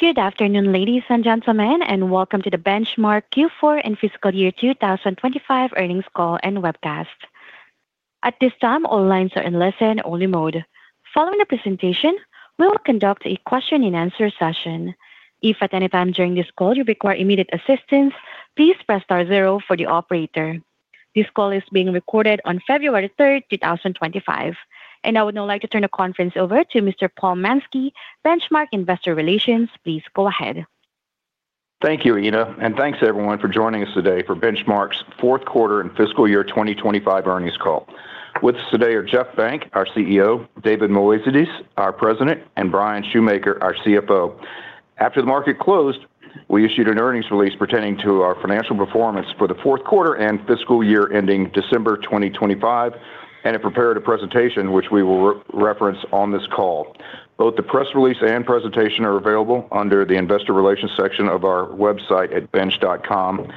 Good afternoon, ladies and gentlemen, and welcome to the Benchmark Q4 and Fiscal Year 2025 Earnings Call and Webcast. At this time, all lines are in listen-only mode. Following the presentation, we will conduct a question-and-answer session. If at any time during this call you require immediate assistance, please press star zero for the operator. This call is being recorded on February 3, 2025, and I would now like to turn the conference over to Mr. Paul Manske, Benchmark Investor Relations. Please go ahead. Thank you, Ena, and thanks everyone for joining us today for Benchmark's Fourth Quarter and Fiscal Year 2025 Earnings Call. With us today are Jeff Benck, our CEO, David Moezidis, our President, and Bryan Schumaker, our CFO. After the market closed, we issued an earnings release pertaining to our financial performance for the fourth quarter and fiscal year ending December 2025, and it prepared a presentation which we will re-reference on this call. Both the press release and presentation are available under the Investor Relations section of our website at bench.com.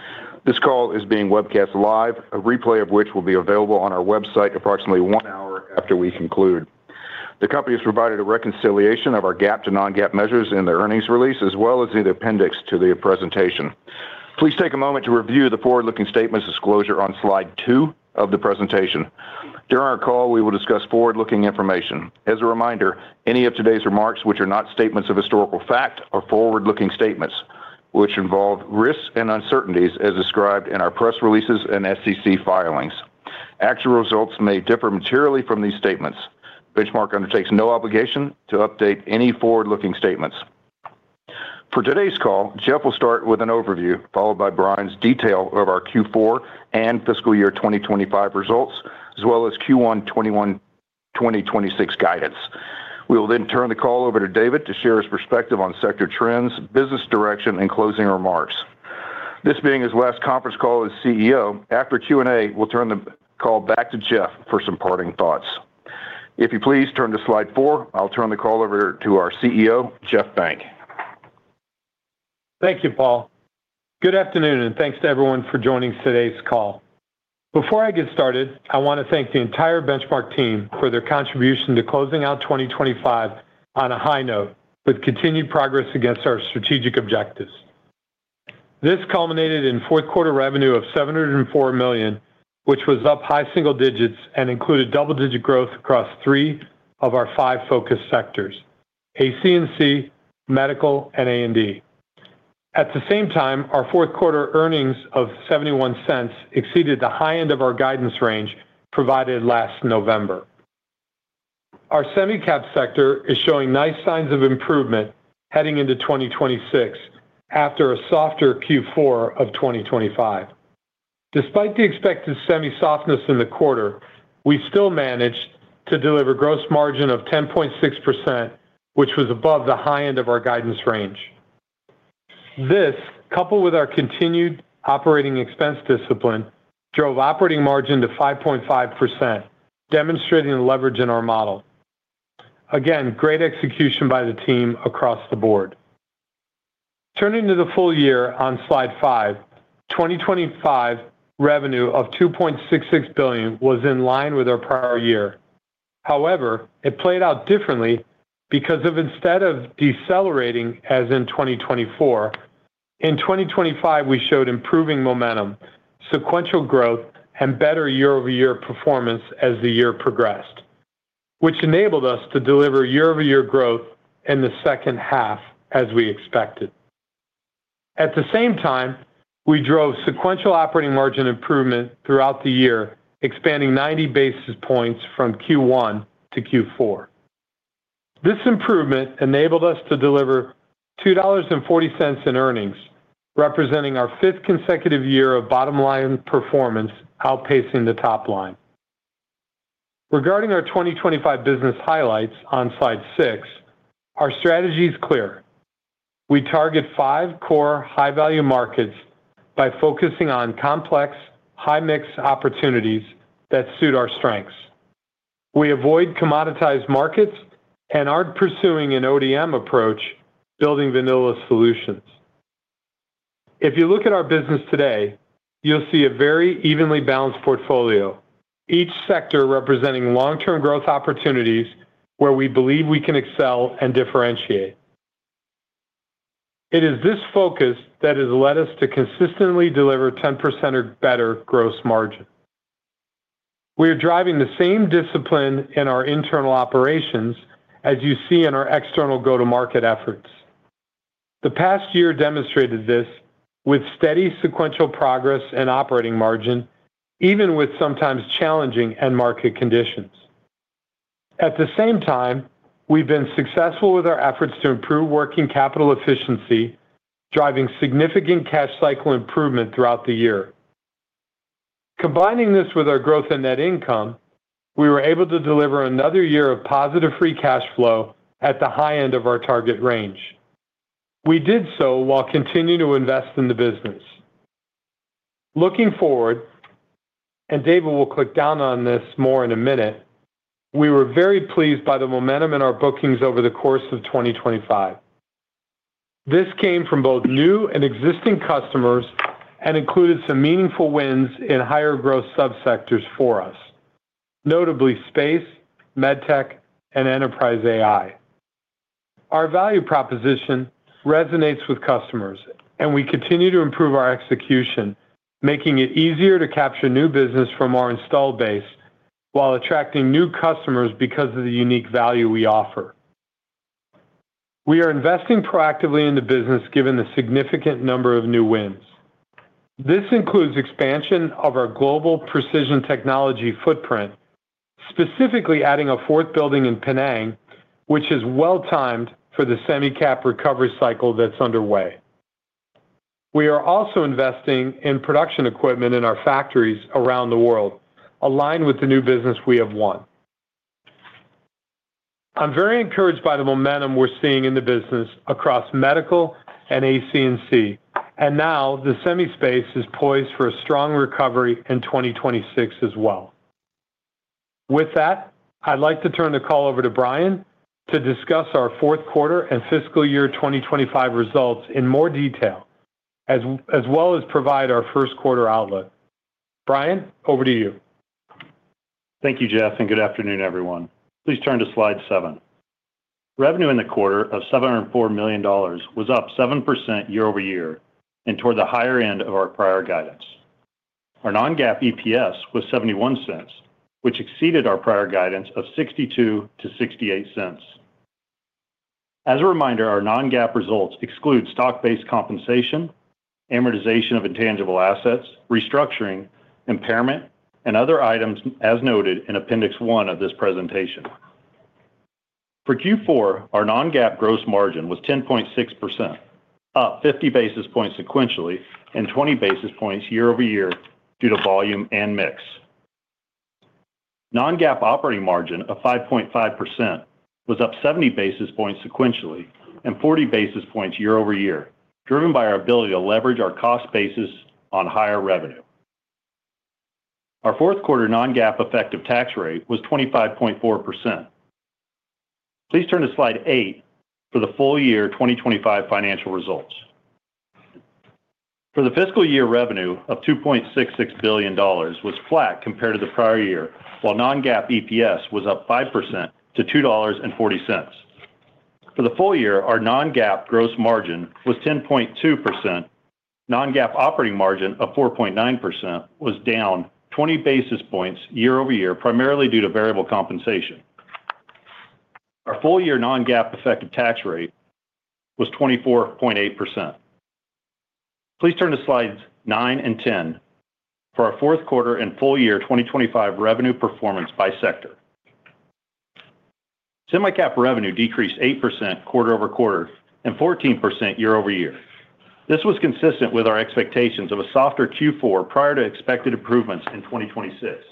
This call is being webcast live, a replay of which will be available on our website approximately one hour after we conclude. The company has provided a reconciliation of our GAAP to non-GAAP measures in the earnings release, as well as the appendix to the presentation. Please take a moment to review the forward-looking statements disclosure on slide two of the presentation. During our call, we will discuss forward-looking information. As a reminder, any of today's remarks, which are not statements of historical fact, are forward-looking statements which involve risks and uncertainties as described in our press releases and SEC filings. Actual results may differ materially from these statements. Benchmark undertakes no obligation to update any forward-looking statements. For today's call, Jeff will start with an overview, followed by Bryan's detail of our Q4 and fiscal year 2025 results, as well as Q1 2026 guidance. We will then turn the call over to David to share his perspective on sector trends, business direction, and closing remarks. This being his last conference call as CEO, after Q&A, we'll turn the call back to Jeff for some parting thoughts. If you please turn to slide four, I'll turn the call over to our CEO, Jeff Benck. Thank you, Paul. Good afternoon, and thanks to everyone for joining today's call. Before I get started, I want to thank the entire Benchmark team for their contribution to closing out 2025 on a high note, with continued progress against our strategic objectives. This culminated in fourth quarter revenue of $704 million, which was up high single digits and included double-digit growth across three of our five focus sectors: AC&C, Medical, and A&D. At the same time, our fourth quarter earnings of $0.71 exceeded the high end of our guidance range provided last November. Our Semi-Cap sector is showing nice signs of improvement heading into 2026 after a softer Q4 of 2025. Despite the expected semi softness in the quarter, we still managed to deliver gross margin of 10.6%, which was above the high end of our guidance range. This, coupled with our continued operating expense discipline, drove operating margin to 5.5%, demonstrating the leverage in our model. Again, great execution by the team across the board. Turning to the full year on slide 5, 2025 revenue of $2.66 billion was in line with our prior year. However, it played out differently because of instead of decelerating, as in 2024, in 2025, we showed improving momentum, sequential growth, and better year-over-year performance as the year progressed, which enabled us to deliver year-over-year growth in the second half, as we expected. At the same time, we drove sequential operating margin improvement throughout the year, expanding 90 basis points from Q1 to Q4. This improvement enabled us to deliver $2.40 in earnings, representing our fifth consecutive year of bottom-line performance, outpacing the top line. Regarding our 2025 business highlights on slide six, our strategy is clear. We target five core high-value markets by focusing on complex, high-mix opportunities that suit our strengths. We avoid commoditized markets and aren't pursuing an ODM approach, building vanilla solutions. If you look at our business today, you'll see a very evenly balanced portfolio, each sector representing long-term growth opportunities where we believe we can excel and differentiate. It is this focus that has led us to consistently deliver 10% or better gross margin. We are driving the same discipline in our internal operations as you see in our external go-to-market efforts. The past year demonstrated this with steady sequential progress and operating margin, even with sometimes challenging end-market conditions. At the same time, we've been successful with our efforts to improve working capital efficiency, driving significant cash cycle improvement throughout the year. Combining this with our growth and net income, we were able to deliver another year of positive Free Cash Flow at the high end of our target range. We did so while continuing to invest in the business. Looking forward, and David will click down on this more in a minute, we were very pleased by the momentum in our bookings over the course of 2025. This came from both new and existing customers and included some meaningful wins in higher growth subsectors for us... Notably, space, MedTech, and enterprise AI. Our value proposition resonates with customers, and we continue to improve our execution, making it easier to capture new business from our installed base, while attracting new customers because of the unique value we offer. We are investing proactively in the business, given the significant number of new wins. This includes expansion of our global precision technology footprint, specifically adding a fourth building in Penang, which is well-timed for the Semi-Cap recovery cycle that's underway. We are also investing in production equipment in our factories around the world, aligned with the new business we have won. I'm very encouraged by the momentum we're seeing in the business across medical and AC&C, and now the semi space is poised for a strong recovery in 2026 as well. With that, I'd like to turn the call over to Bryan to discuss our fourth quarter and fiscal year 2025 results in more detail, as well as provide our first quarter outlook. Bryan, over to you. Thank you, Jeff, and good afternoon, everyone. Please turn to slide seven. Revenue in the quarter of $704 million was up 7% year-over-year and toward the higher end of our prior guidance. Our non-GAAP EPS was $0.71, which exceeded our prior guidance of $0.62-$0.68. As a reminder, our non-GAAP results exclude stock-based compensation, amortization of intangible assets, restructuring, impairment, and other items, as noted in Appendix 1 of this presentation. For Q4, our non-GAAP gross margin was 10.6%, up 50 basis points sequentially and 20 basis points year-over-year, driven by our ability to leverage our cost basis on higher revenue. Our fourth quarter non-GAAP effective tax rate was 25.4%. Please turn to slide eight for the full year 2025 financial results. For the fiscal year, revenue of $2.66 billion was flat compared to the prior year, while non-GAAP EPS was up 5% to $2.40. For the full year, our non-GAAP gross margin was 10.2%. Non-GAAP operating margin of 4.9% was down 20 basis points year-over-year, primarily due to variable compensation. Our full-year non-GAAP effective tax rate was 24.8%. Please turn to slides nine and 10 for our fourth quarter and full year 2025 revenue performance by sector. Semi-cap revenue decreased 8% quarter-over-quarter and 14% year-over-year. This was consistent with our expectations of a softer Q4 prior to expected improvements in 2026.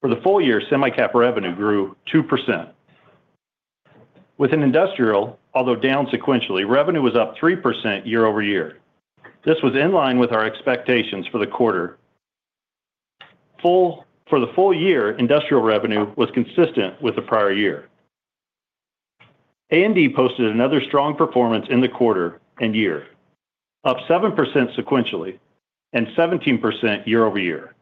For the full year, Semi-cap revenue grew 2%. Within industrial, although down sequentially, revenue was up 3% year-over-year. This was in line with our expectations for the quarter. For the full year, industrial revenue was consistent with the prior year. A&D posted another strong performance in the quarter and year, up 7% sequentially and 17% year-over-year.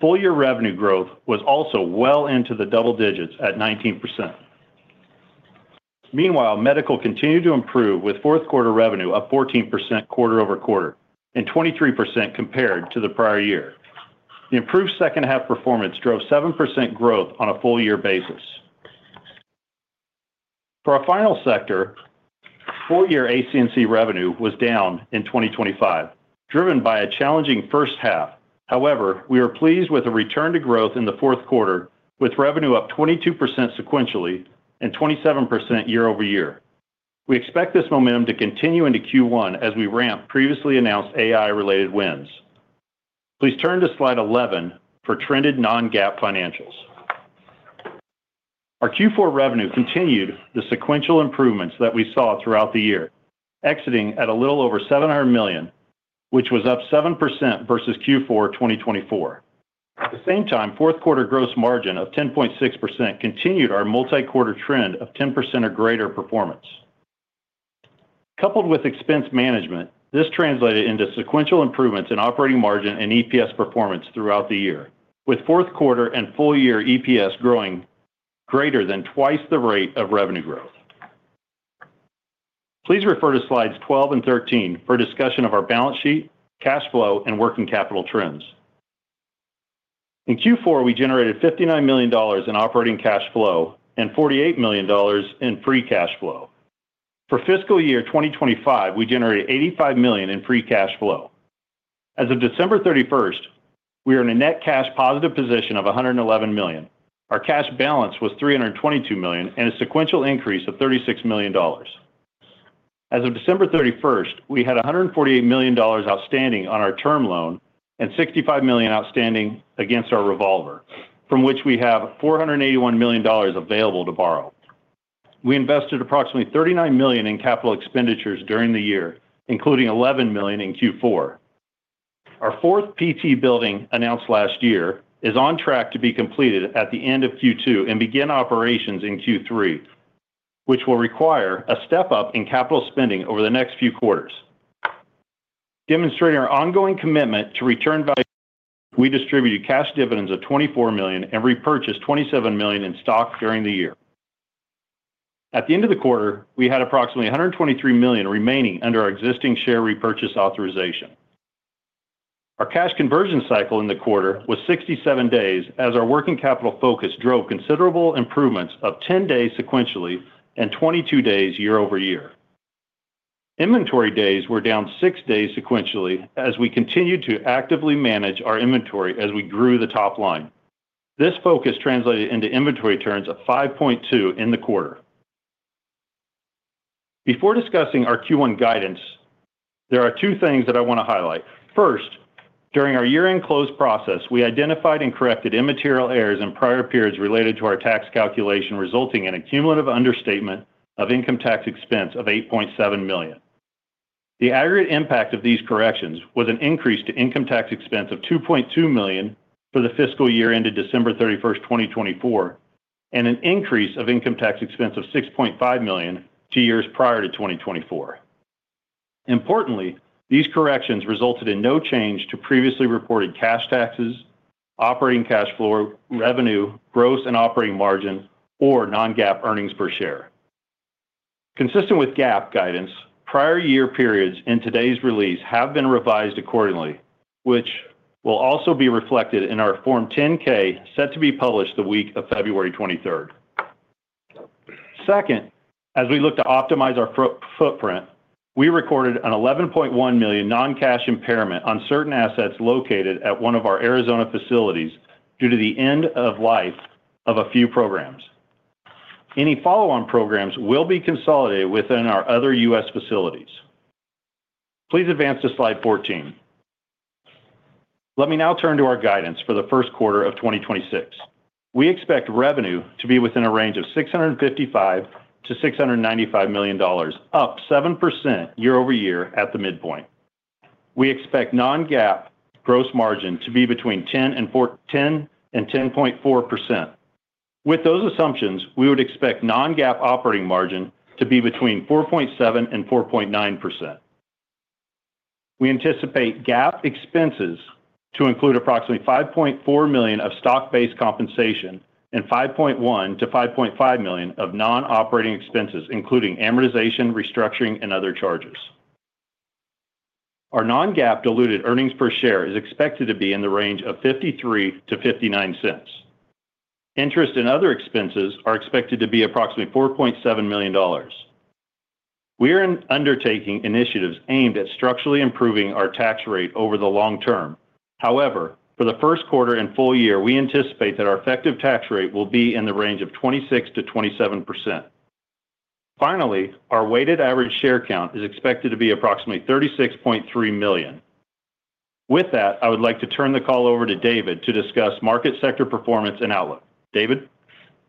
Full year revenue growth was also well into the double digits at 19%. Meanwhile, medical continued to improve, with fourth quarter revenue up 14% quarter-over-quarter and 23% compared to the prior year. The improved second half performance drove 7% growth on a full year basis. For our final sector, full year AC&C revenue was down in 2025, driven by a challenging first half. However, we are pleased with the return to growth in the fourth quarter, with revenue up 22% sequentially and 27% year-over-year. We expect this momentum to continue into Q1 as we ramp previously announced AI-related wins. Please turn to slide 11 for trended non-GAAP financials. Our Q4 revenue continued the sequential improvements that we saw throughout the year, exiting at a little over $700 million, which was up 7% versus Q4 2024. At the same time, fourth quarter gross margin of 10.6% continued our multi-quarter trend of 10% or greater performance. Coupled with expense management, this translated into sequential improvements in operating margin and EPS performance throughout the year, with fourth quarter and full year EPS growing greater than twice the rate of revenue growth. Please refer to slides 12 and 13 for a discussion of our balance sheet, cash flow, and working capital trends. In Q4, we generated $59 million in operating cash flow and $48 million in free cash flow. For fiscal year 2025, we generated $85 million in free cash flow. As of December 31, we are in a net cash positive position of $111 million. Our cash balance was $322 million, and a sequential increase of $36 million. As of December 31, we had $148 million outstanding on our term loan and $65 million outstanding against our revolver, from which we have $481 million available to borrow. We invested approximately $39 million in capital expenditures during the year, including $11 million in Q4. Our fourth PT building, announced last year, is on track to be completed at the end of Q2 and begin operations in Q3, which will require a step up in capital spending over the next few quarters.... Demonstrating our ongoing commitment to return value, we distributed cash dividends of $24 million and repurchased $27 million in stock during the year. At the end of the quarter, we had approximately $123 million remaining under our existing share repurchase authorization. Our cash conversion cycle in the quarter was 67 days, as our working capital focus drove considerable improvements of 10 days sequentially and 22 days year-over-year. Inventory days were down 6 days sequentially as we continued to actively manage our inventory as we grew the top line. This focus translated into inventory turns of 5.2 in the quarter. Before discussing our Q1 guidance, there are two things that I want to highlight. First, during our year-end close process, we identified and corrected immaterial errors in prior periods related to our tax calculation, resulting in a cumulative understatement of income tax expense of $8.7 million. The aggregate impact of these corrections was an increase to income tax expense of $2.2 million for the fiscal year ended December 31, 2024, and an increase of income tax expense of $6.5 million to years prior to 2024. Importantly, these corrections resulted in no change to previously reported cash taxes, operating cash flow, revenue, gross and operating margin, or non-GAAP earnings per share. Consistent with GAAP guidance, prior year periods in today's release have been revised accordingly, which will also be reflected in our Form 10-K, set to be published the week of February 23. Second, as we look to optimize our footprint, we recorded an $11.1 million non-cash impairment on certain assets located at one of our Arizona facilities due to the end of life of a few programs. Any follow-on programs will be consolidated within our other U.S. facilities. Please advance to slide 14. Let me now turn to our guidance for the first quarter of 2026. We expect revenue to be within a range of $655 million-$695 million, up 7% year-over-year at the midpoint. We expect non-GAAP gross margin to be between 10%-10.4%. With those assumptions, we would expect non-GAAP operating margin to be between 4.7%-4.9%. We anticipate GAAP expenses to include approximately $5.4 million of Stock-Based Compensation and $5.1 million-$5.5 million of non-operating expenses, including amortization, restructuring, and other charges. Our non-GAAP diluted earnings per share is expected to be in the range of $0.53-$0.59. Interest and other expenses are expected to be approximately $4.7 million. We are undertaking initiatives aimed at structurally improving our tax rate over the long term. However, for the first quarter and full year, we anticipate that our effective tax rate will be in the range of 26%-27%. Finally, our weighted average share count is expected to be approximately 36.3 million. With that, I would like to turn the call over to David to discuss market sector performance and outlook. David?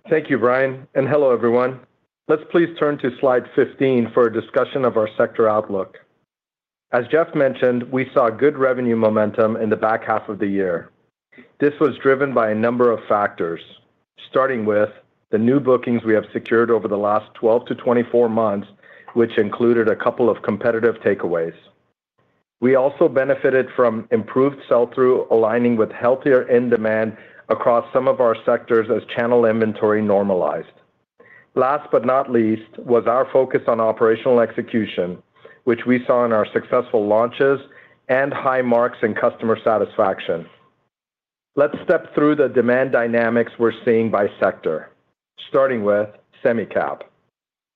Thank you, Bryan, and hello, everyone. Let's please turn to slide 15 for a discussion of our sector outlook. As Jeff mentioned, we saw good revenue momentum in the back half of the year. This was driven by a number of factors, starting with the new bookings we have secured over the last 12-24 months, which included a couple of competitive takeaways. We also benefited from improved sell-through, aligning with healthier end demand across some of our sectors as channel inventory normalized. Last but not least, was our focus on operational execution, which we saw in our successful launches and high marks in customer satisfaction. Let's step through the demand dynamics we're seeing by sector, starting with semi-cap.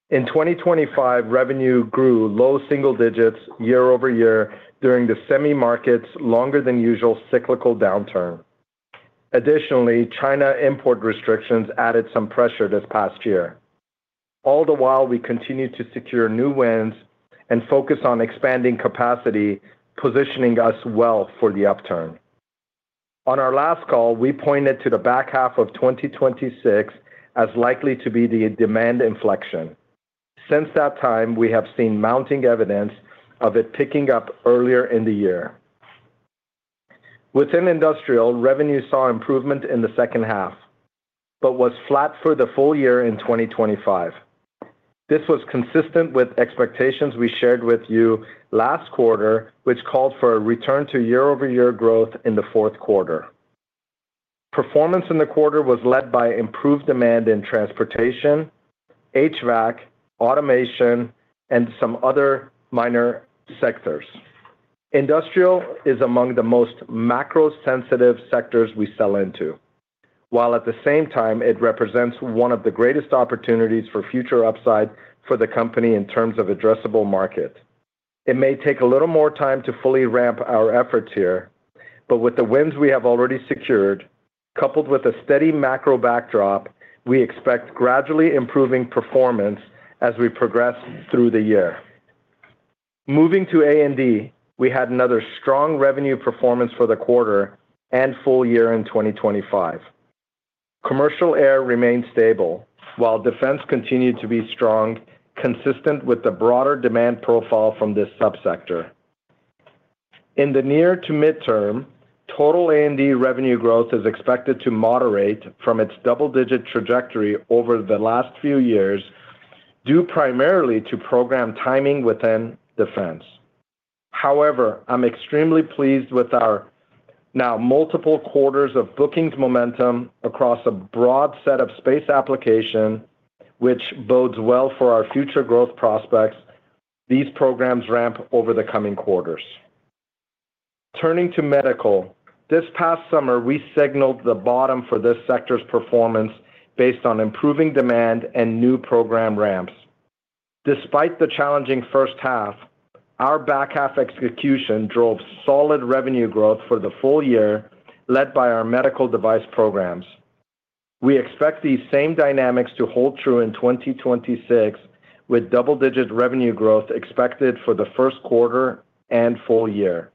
In 2025, revenue grew low single digits year-over-year during the semi market's longer than usual cyclical downturn. Additionally, China import restrictions added some pressure this past year. All the while, we continued to secure new wins and focus on expanding capacity, positioning us well for the upturn. On our last call, we pointed to the back half of 2026 as likely to be the demand inflection. Since that time, we have seen mounting evidence of it picking up earlier in the year. Within industrial, revenue saw improvement in the second half, but was flat for the full year in 2025. This was consistent with expectations we shared with you last quarter, which called for a return to year-over-year growth in the fourth quarter. Performance in the quarter was led by improved demand in transportation, HVAC, automation, and some other minor sectors. Industrial is among the most macro-sensitive sectors we sell into, while at the same time, it represents one of the greatest opportunities for future upside for the company in terms of addressable market. It may take a little more time to fully ramp our efforts here, but with the wins we have already secured, coupled with a steady macro backdrop, we expect gradually improving performance as we progress through the year. Moving to A&D, we had another strong revenue performance for the quarter and full year in 2025. Commercial air remained stable, while defense continued to be strong, consistent with the broader demand profile from this subsector. In the near to midterm, total A&D revenue growth is expected to moderate from its double-digit trajectory over the last few years, due primarily to program timing within defense. However, I'm extremely pleased with our now multiple quarters of bookings momentum across a broad set of space application, which bodes well for our future growth prospects, these programs ramp over the coming quarters. Turning to medical, this past summer, we signaled the bottom for this sector's performance based on improving demand and new program ramps. Despite the challenging first half, our back half execution drove solid revenue growth for the full year, led by our medical device programs. We expect these same dynamics to hold true in 2026, with double-digit revenue growth expected for the first quarter and full year.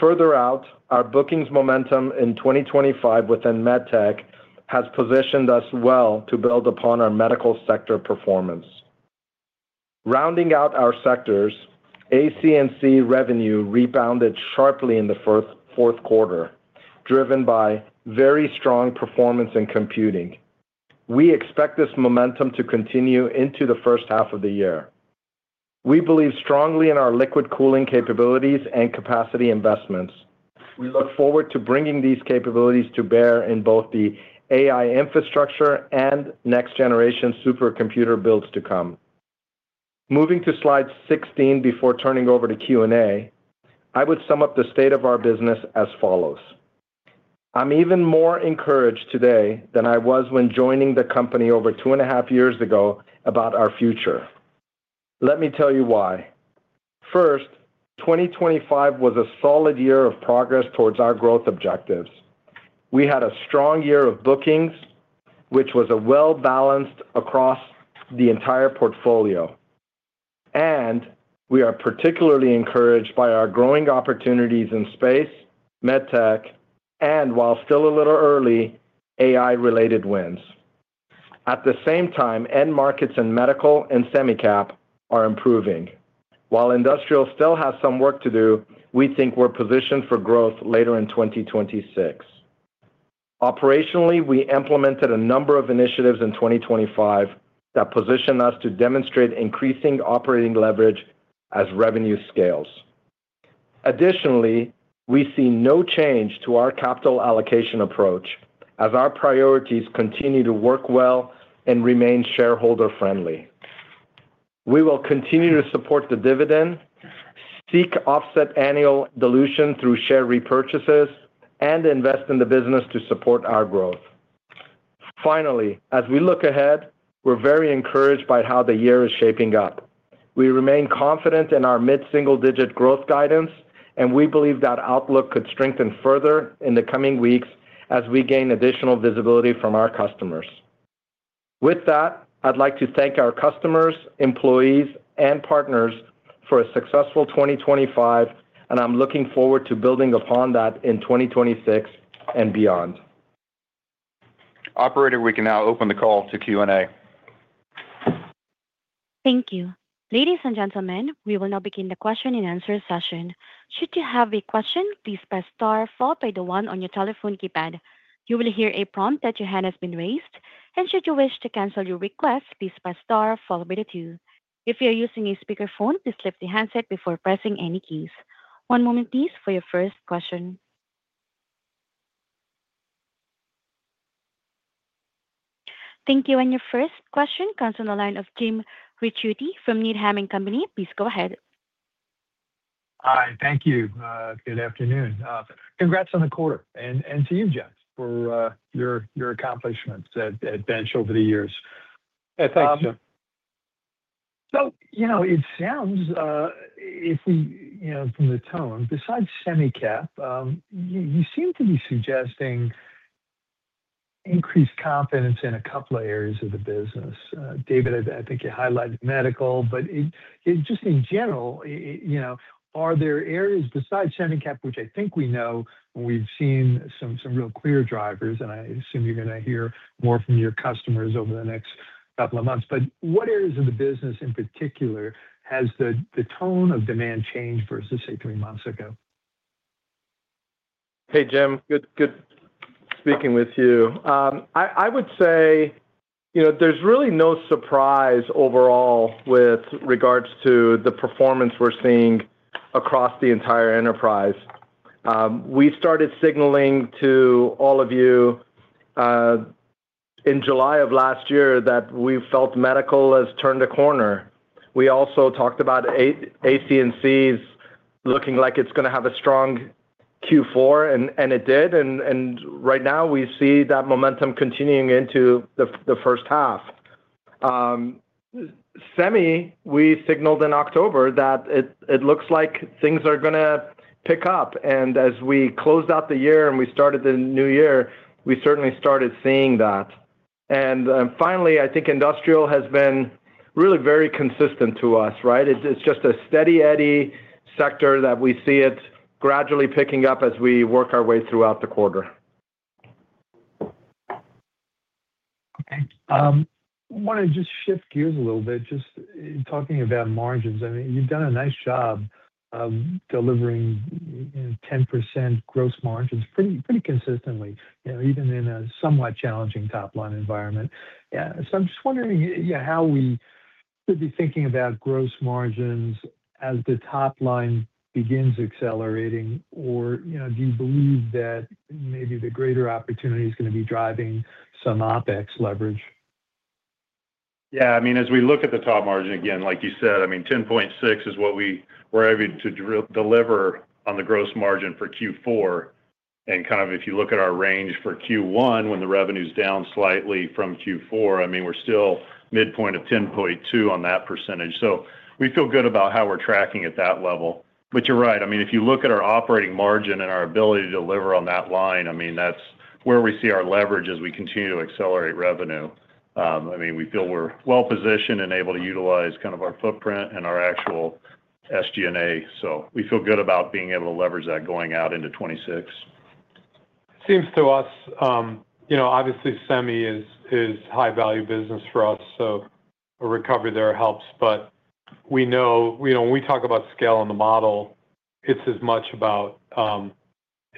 Further out, our bookings momentum in 2025 within MedTech has positioned us well to build upon our medical sector performance. Rounding out our sectors, AC&C revenue rebounded sharply in the fourth quarter, driven by very strong performance in computing. We expect this momentum to continue into the first half of the year. We believe strongly in our liquid cooling capabilities and capacity investments. We look forward to bringing these capabilities to bear in both the AI infrastructure and next-generation supercomputer builds to come. Moving to slide 16 before turning over to Q&A, I would sum up the state of our business as follows: I'm even more encouraged today than I was when joining the company over two and a half years ago about our future. Let me tell you why. First, 2025 was a solid year of progress towards our growth objectives. We had a strong year of bookings, which was a well-balanced across the entire portfolio, and we are particularly encouraged by our growing opportunities in space, MedTech, and while still a little early, AI-related wins. At the same time, end markets in medical and Semi-Cap are improving. While industrial still has some work to do, we think we're positioned for growth later in 2026. Operationally, we implemented a number of initiatives in 2025 that position us to demonstrate increasing operating leverage as revenue scales. Additionally, we see no change to our capital allocation approach as our priorities continue to work well and remain shareholder-friendly. We will continue to support the dividend, seek offset annual dilution through share repurchases, and invest in the business to support our growth. Finally, as we look ahead, we're very encouraged by how the year is shaping up. We remain confident in our mid-single-digit growth guidance, and we believe that outlook could strengthen further in the coming weeks as we gain additional visibility from our customers. With that, I'd like to thank our customers, employees, and partners for a successful 2025, and I'm looking forward to building upon that in 2026 and beyond. Operator, we can now open the call to Q&A. Thank you. Ladies and gentlemen, we will now begin the question-and-answer session. Should you have a question, please press star followed by the one on your telephone keypad. You will hear a prompt that your hand has been raised, and should you wish to cancel your request, please press star followed by the two. If you are using a speakerphone, please lift the handset before pressing any keys. One moment please for your first question. Thank you. Your first question comes on the line of Jim Ricchiuti from Needham & Company. Please go ahead. Hi. Thank you. Good afternoon. Congrats on the quarter, and to you, Jeff, for your accomplishments at Bench over the years. Hey, thanks, Jim. So, you know, it sounds if we—you know, from the tone, besides Semi-Cap, you seem to be suggesting increased confidence in a couple of areas of the business. David, I think you highlighted medical, but it just in general—you know, are there areas besides Semi-Cap, which I think we know, we've seen some real clear drivers, and I assume you're gonna hear more from your customers over the next couple of months. But what areas of the business in particular has the tone of demand changed versus, say, three months ago? Hey, Jim. Good, good speaking with you. I would say, you know, there's really no surprise overall with regards to the performance we're seeing across the entire enterprise. We started signaling to all of you in July of last year that we felt medical has turned a corner. We also talked about AC&C's looking like it's gonna have a strong Q4, and it did. Right now, we see that momentum continuing into the first half. Semi, we signaled in October that it looks like things are gonna pick up, and as we closed out the year and we started the new year, we certainly started seeing that. Finally, I think industrial has been really very consistent to us, right? It's just a steady eddy sector that we see it gradually picking up as we work our way throughout the quarter. Okay, I wanna just shift gears a little bit, just talking about margins. I mean, you've done a nice job of delivering 10% gross margins pretty, pretty consistently, you know, even in a somewhat challenging top-line environment. So I'm just wondering, you know, how we should be thinking about gross margins as the top line begins accelerating, or, you know, do you believe that maybe the greater opportunity is going to be driving some OpEx leverage? Yeah, I mean, as we look at the top margin, again, like you said, I mean, 10.6 is what we were able to deliver on the gross margin for Q4. And kind of if you look at our range for Q1, when the revenue is down slightly from Q4, I mean, we're still midpoint of 10.2% on that percentage. So we feel good about how we're tracking at that level. But you're right. I mean, if you look at our operating margin and our ability to deliver on that line, I mean, that's where we see our leverage as we continue to accelerate revenue. I mean, we feel we're well-positioned and able to utilize kind of our footprint and our actual SG&A. So we feel good about being able to leverage that going out into 2026. Seems to us, you know, obviously, semi is high-value business for us, so a recovery there helps. But we know, we know when we talk about scale in the model, it's as much about,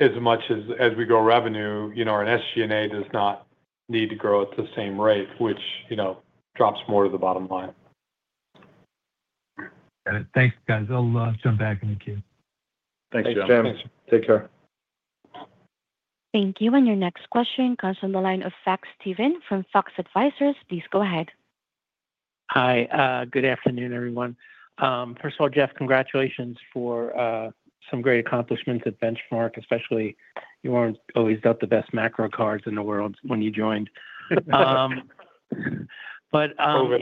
as much as, as we grow revenue, you know, and SG&A does not need to grow at the same rate, which, you know, drops more to the bottom line. Got it. Thanks, guys. I'll jump back in the queue. Thanks, Jim. Thanks, Jim. Take care. Thank you. And your next question comes from the line of Steven Fox from Fox Advisors. Please go ahead. Hi. Good afternoon, everyone. First of all, Jeff, congratulations for some great accomplishments at Benchmark, especially, you haven't always got the best macro cards in the world when you joined. But, Overly.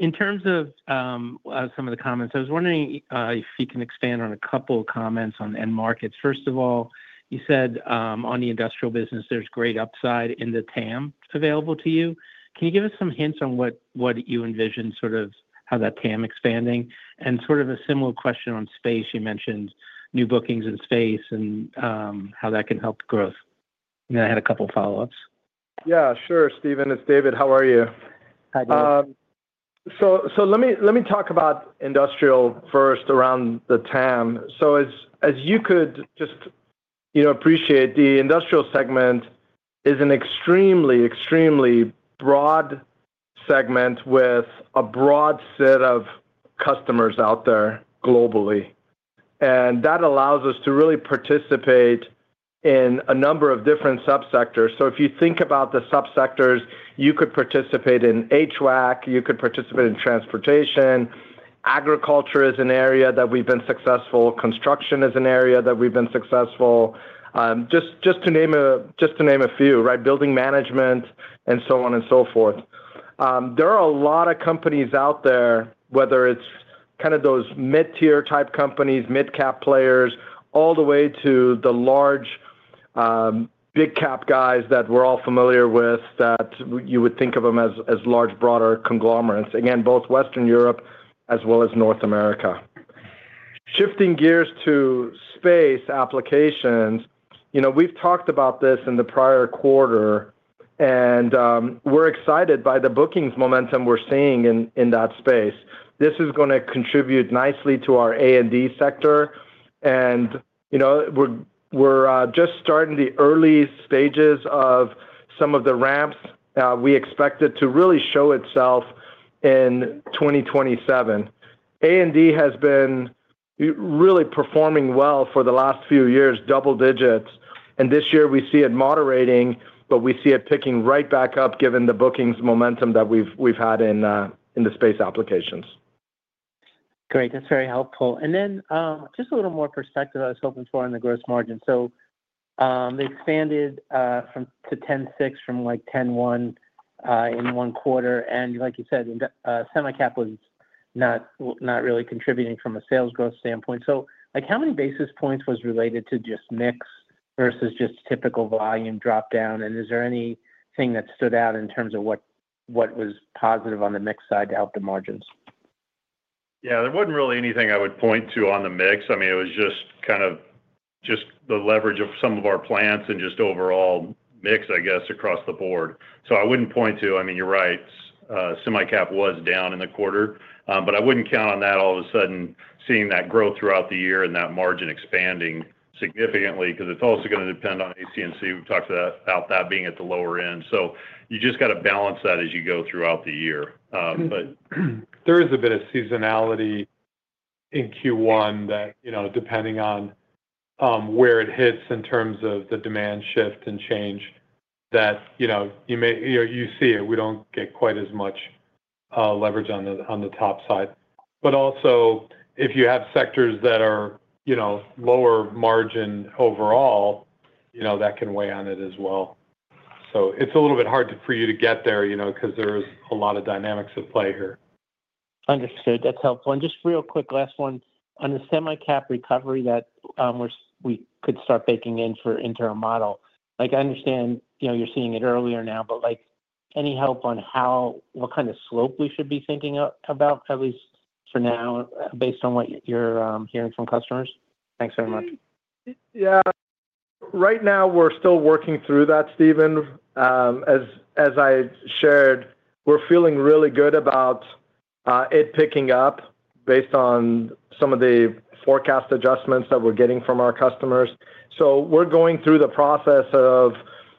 In terms of some of the comments, I was wondering if you can expand on a couple of comments on end markets. First of all, you said on the industrial business, there's great upside in the TAM available to you. Can you give us some hints on what you envision, sort of how that TAM expanding? And sort of a similar question on space. You mentioned new bookings in space and how that can help the growth. And then I had a couple of follow-ups. Yeah, sure, Steven. It's David. How are you? Hi, David. So let me talk about industrial first around the TAM. So as you could just, you know, appreciate, the industrial segment is an extremely, extremely broad segment with a broad set of customers out there globally, and that allows us to really participate in a number of different subsectors. So if you think about the subsectors, you could participate in HVAC, you could participate in transportation. Agriculture is an area that we've been successful. Construction is an area that we've been successful. Just to name a few, right? Building management and so on and so forth. There are a lot of companies out there, whether it's kind of those mid-tier type companies, mid-cap players, all the way to the large, big cap guys that we're all familiar with, that you would think of them as, as large, broader conglomerates. Again, both Western Europe as well as North America. Shifting gears to space applications, you know, we've talked about this in the prior quarter, and we're excited by the bookings momentum we're seeing in that space. This is going to contribute nicely to our A&D sector. You know, we're just starting the early stages of some of the ramps. We expect it to really show itself in 2027. A&D has been really performing well for the last few years, double digits, and this year we see it moderating, but we see it picking right back up, given the bookings momentum that we've had in the space applications. Great. That's very helpful. And then, just a little more perspective I was hoping for on the gross margin. So, they expanded from 10.1% to 10.6% in one quarter. And like you said, semi-cap was not really contributing from a sales growth standpoint. So, like, how many basis points was related to just mix versus just typical volume drop down? And is there anything that stood out in terms of what was positive on the mix side to help the margins? Yeah, there wasn't really anything I would point to on the mix. I mean, it was just kind of the leverage of some of our plants and just overall mix, I guess, across the board. So I wouldn't point to... I mean, you're right, semi-cap was down in the quarter, but I wouldn't count on that all of a sudden, seeing that growth throughout the year and that margin expanding significantly because it's also going to depend on AC&C. We've talked about that being at the lower end, so you just got to balance that as you go throughout the year. But- There is a bit of seasonality in Q1 that, you know, depending on where it hits in terms of the demand shift and change, that, you know, you may, you see it, we don't get quite as much leverage on the top side. But also, if you have sectors that are, you know, lower margin overall, you know, that can weigh on it as well. So it's a little bit hard to, for you to get there, you know, because there's a lot of dynamics at play here. Understood. That's helpful. And just real quick, last one. On the Semi-Cap recovery that, we're, we could start baking in for into our model. Like, I understand, you know, you're seeing it earlier now, but, like, any help on how, what kind of slope we should be thinking about, at least for now, based on what you're hearing from customers? Thanks very much. Yeah. Right now, we're still working through that, Steven. As I shared, we're feeling really good about it picking up based on some of the forecast adjustments that we're getting from our customers. So we're going through the process of,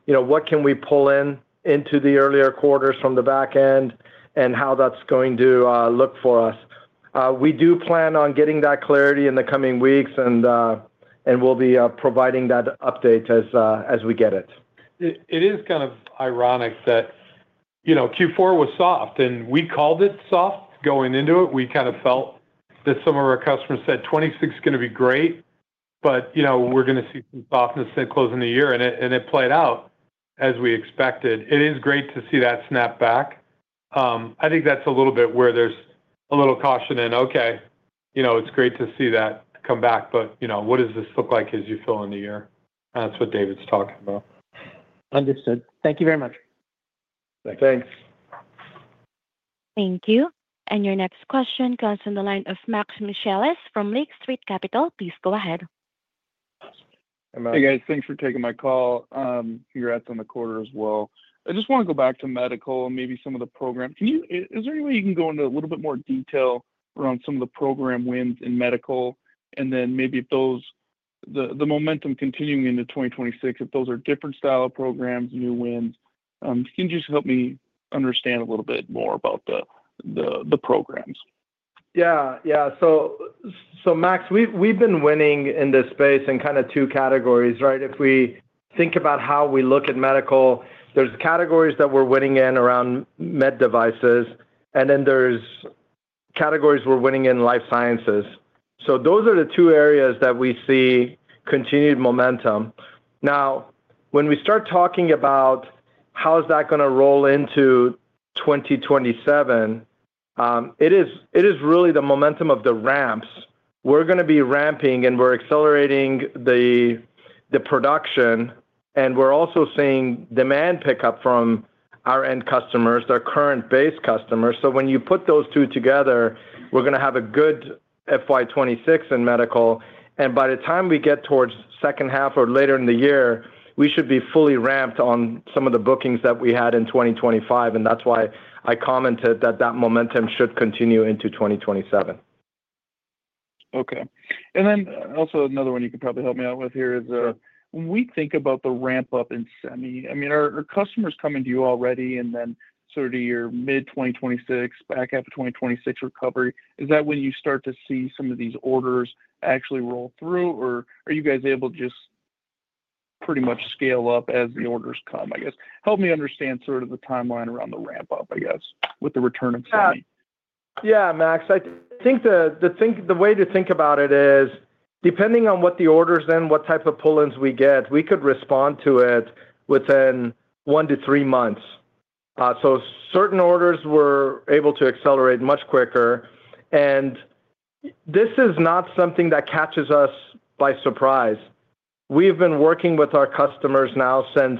you know, what can we pull in into the earlier quarters from the back end and how that's going to look for us. We do plan on getting that clarity in the coming weeks, and we'll be providing that update as we get it. It is kind of ironic that, you know, Q4 was soft, and we called it soft. Going into it, we kind of felt that some of our customers said, "2026 is gonna be great, but, you know, we're gonna see some softness closing the year," and it played out as we expected. It is great to see that snap back. I think that's a little bit where there's a little caution in, okay, you know, it's great to see that come back, but, you know, what does this look like as you fill in the year? That's what David's talking about. Understood. Thank you very much. Thanks. Thanks. Thank you. Your next question comes from the line of Max Michaelis from Lake Street Capital. Please go ahead. Hey, guys. Thanks for taking my call. Congrats on the quarter as well. I just want to go back to medical and maybe some of the program. Can you... Is there any way you can go into a little bit more detail around some of the program wins in medical, and then maybe if those, the momentum continuing into 2026, if those are different style of programs, new wins? Can you just help me understand a little bit more about the programs? Yeah. Yeah. So, Max, we've been winning in this space in kind of two categories, right? If we think about how we look at medical, there's categories that we're winning in around med devices, and then there's categories we're winning in life sciences. So those are the two areas that we see continued momentum. Now, when we start talking about how is that gonna roll into 2027, it is really the momentum of the ramps. We're gonna be ramping, and we're accelerating the production, and we're also seeing demand pick up from our end customers, our current base customers. So when you put those two together, we're gonna have a good FY 2026 in medical, and by the time we get towards second half or later in the year, we should be fully ramped on some of the bookings that we had in 2025, and that's why I commented that that momentum should continue into 2027. Okay. And then also another one you could probably help me out with here is, when we think about the ramp-up in semi, I mean, are customers coming to you already, and then sort of your mid-2026, back half of 2026 recovery, is that when you start to see some of these orders actually roll through, or are you guys able to just pretty much scale up as the orders come? I guess, help me understand sort of the timeline around the ramp-up, I guess, with the return of semi. Yeah, Max, I think the way to think about it is, depending on what the order is in, what type of pull-ins we get, we could respond to it within one-three months. So certain orders we're able to accelerate much quicker, and this is not something that catches us by surprise. We've been working with our customers now since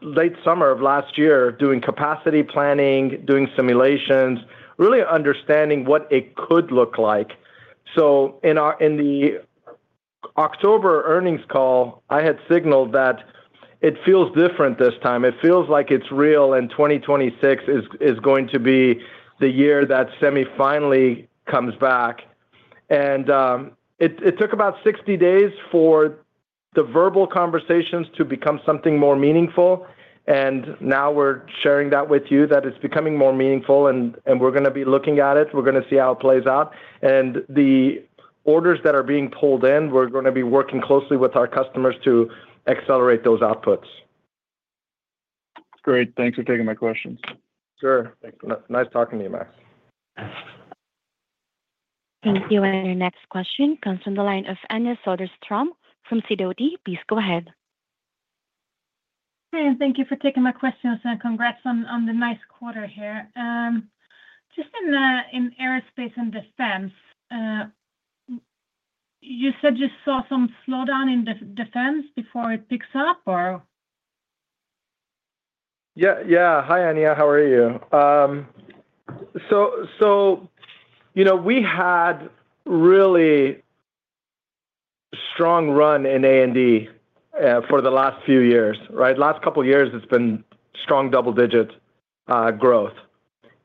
late summer of last year, doing capacity planning, doing simulations, really understanding what it could look like. So in the October earnings call, I had signaled that it feels different this time. It feels like it's real, and 2026 is going to be the year that semi finally comes back. It took about 60 days for the verbal conversations to become something more meaningful, and now we're sharing that with you, that it's becoming more meaningful, and we're gonna be looking at it. We're gonna see how it plays out. The orders that are being pulled in, we're gonna be working closely with our customers to accelerate those outputs. Great. Thanks for taking my questions. Sure. Thanks. Nice talking to you, Max. Thank you, and your next question comes from the line of Anja Soderstrom from Sidoti. Please go ahead. Hey, and thank you for taking my questions, and congrats on the nice quarter here. Just in aerospace and defense, you said you saw some slowdown in defense before it picks up or? Yeah, yeah. Hi, Anja, how are you? So, you know, we had really strong run in A&D for the last few years, right? Last couple of years, it's been strong double-digit growth.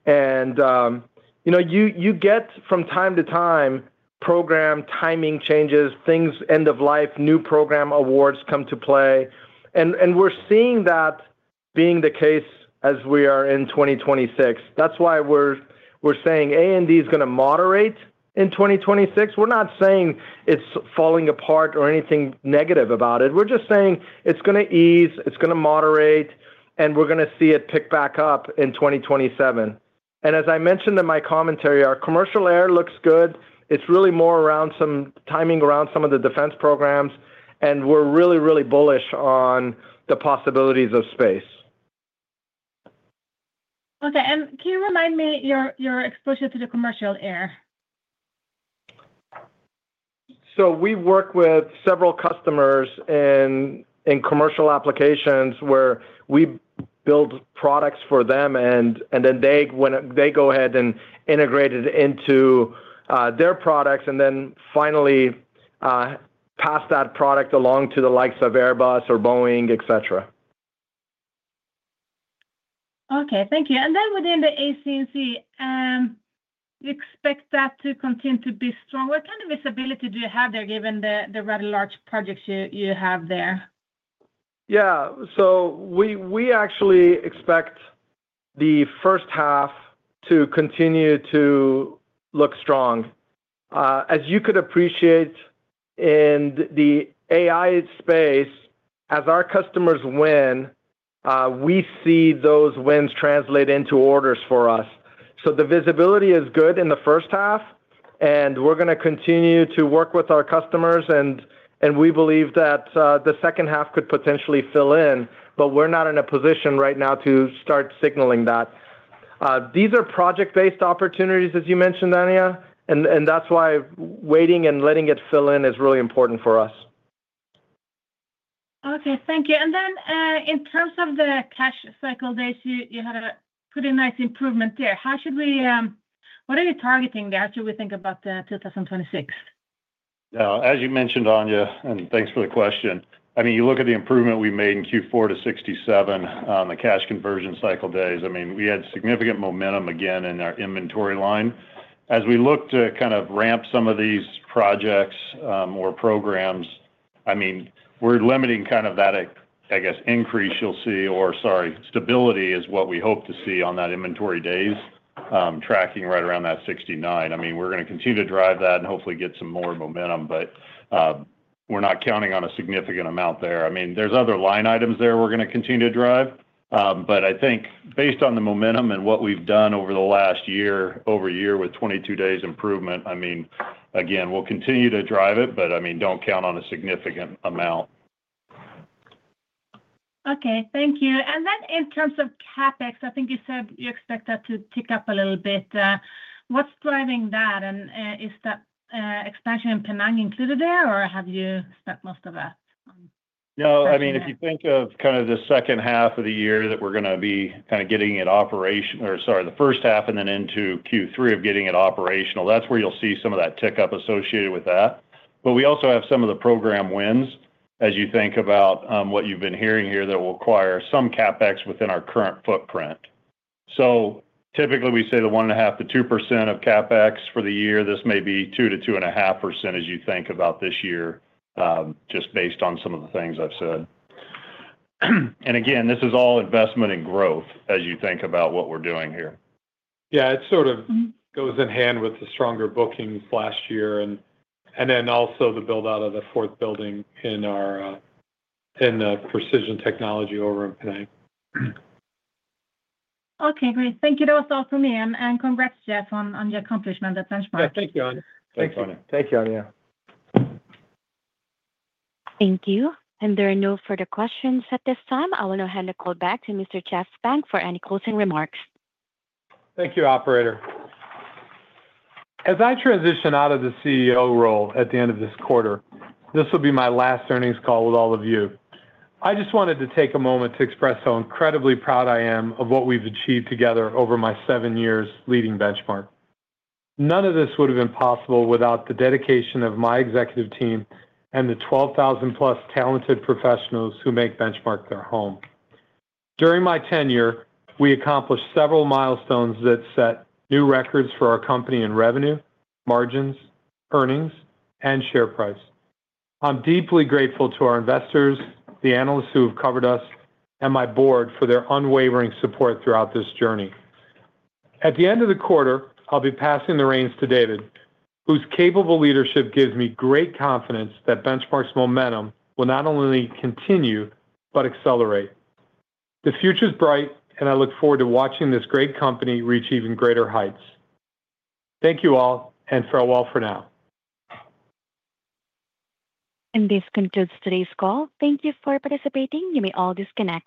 And, you know, you get from time to time, program timing changes, things end of life, new program awards come to play, and we're seeing that being the case as we are in 2026. That's why we're saying A&D is gonna moderate in 2026. We're not saying it's falling apart or anything negative about it. We're just saying it's gonna ease, it's gonna moderate, and we're gonna see it pick back up in 2027. And as I mentioned in my commentary, our commercial air looks good. It's really more around some timing around some of the defense programs, and we're really, really bullish on the possibilities of space. Okay, and can you remind me your exposure to the commercial air? So we work with several customers in commercial applications, where we build products for them, and then they go ahead and integrate it into their products, and then finally pass that product along to the likes of Airbus or Boeing, et cetera. Okay, thank you. Then within the AC&C, you expect that to continue to be strong? What kind of visibility do you have there, given the rather large projects you have there? Yeah. So we actually expect the first half to continue to look strong. As you could appreciate in the AI space, as our customers win, we see those wins translate into orders for us. So the visibility is good in the first half, and we're gonna continue to work with our customers, and we believe that the second half could potentially fill in, but we're not in a position right now to start signaling that. These are project-based opportunities, as you mentioned, Anja, and that's why waiting and letting it fill in is really important for us. Okay, thank you. And then, in terms of the cash cycle days, you had a pretty nice improvement there. What are you targeting there as we think about 2026? As you mentioned, Anja, and thanks for the question. I mean, you look at the improvement we made in Q4 to 67 on the cash conversion cycle days. I mean, we had significant momentum again in our inventory line. As we look to kind of ramp some of these projects, or programs, I mean, we're limiting kind of that, I guess, increase you'll see, or sorry, stability is what we hope to see on that inventory days, tracking right around that 69. I mean, we're gonna continue to drive that and hopefully get some more momentum, but, we're not counting on a significant amount there. I mean, there's other line items there we're gonna continue to drive. But I think based on the momentum and what we've done over the last year, year-over-year with 22 days improvement, I mean, again, we'll continue to drive it, but, I mean, don't count on a significant amount. Okay, thank you. And then in terms of CapEx, I think you said you expect that to tick up a little bit. What's driving that, and, is that, expansion in Penang included there, or have you spent most of that on- No, I mean, if you think of kind of the second half of the year, that we're gonna be kind of getting it the first half and then into Q3 of getting it operational, that's where you'll see some of that tick up associated with that. But we also have some of the program wins, as you think about what you've been hearing here, that will require some CapEx within our current footprint. So typically, we say the 1.5%-2% of CapEx for the year, this may be 2%-2.5% as you think about this year, just based on some of the things I've said. And again, this is all investment and growth as you think about what we're doing here. Yeah, it sort of goes hand in hand with the stronger bookings last year and then also the build-out of the fourth building in our Precision Technology over in Penang. Okay, great. Thank you. That was all for me. And congrats, Jeff, on the accomplishment at Benchmark. Yeah. Thank you, Anja. Thanks, Anja. Thank you, Anja. Thank you, and there are no further questions at this time. I want to hand the call back to Mr. Jeff Benck for any closing remarks. Thank you, operator. As I transition out of the CEO role at the end of this quarter, this will be my last earnings call with all of you. I just wanted to take a moment to express how incredibly proud I am of what we've achieved together over my seven years leading Benchmark. None of this would have been possible without the dedication of my executive team and the 12,000+ talented professionals who make Benchmark their home. During my tenure, we accomplished several milestones that set new records for our company in revenue, margins, earnings, and share price. I'm deeply grateful to our investors, the analysts who have covered us, and my board for their unwavering support throughout this journey. At the end of the quarter, I'll be passing the reins to David, whose capable leadership gives me great confidence that Benchmark's momentum will not only continue but accelerate. The future is bright, and I look forward to watching this great company reach even greater heights. Thank you all, and farewell for now. This concludes today's call. Thank you for participating. You may all disconnect.